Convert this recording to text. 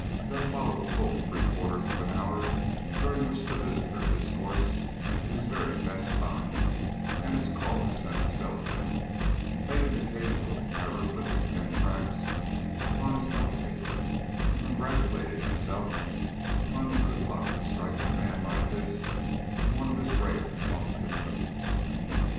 Then followed a full three quarters of an hour, during which the visitor discoursed in his very best style and his caller sat spellbound, making occasional hieroglyphic hen tracks upon his note paper and congratulating himself upon his good luck in striking a man like this in one of his rare, talkative moods.